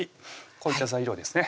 こういった材料ですね